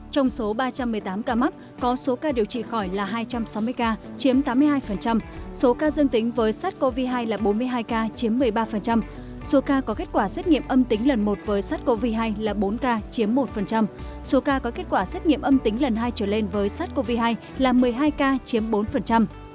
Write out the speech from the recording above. trong số ba trăm một mươi tám ca mắc có số ca điều trị khỏi là hai trăm sáu mươi ca chiếm tám mươi hai số ca dương tính với sars cov hai là bốn mươi hai ca chiếm một mươi ba số ca có kết quả xét nghiệm âm tính lần một với sars cov hai là bốn ca chiếm một số ca có kết quả xét nghiệm âm tính lần hai trở lên với sars cov hai là một mươi hai ca chiếm bốn